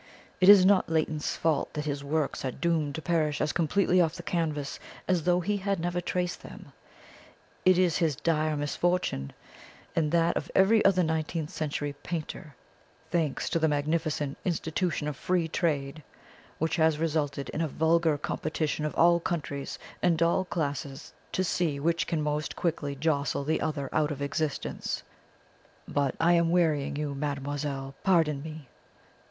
It is not Leighton's fault that his works are doomed to perish as completely off the canvas as though he had never traced them; it is his dire misfortune, and that of every other nineteenth century painter, thanks to the magnificent institution of free trade, which has resulted in a vulgar competition of all countries and all classes to see which can most quickly jostle the other out of existence. But I am wearying you, mademoiselle pardon me!